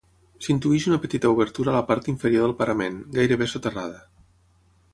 S'intueix una petita obertura a la part inferior del parament, gairebé soterrada.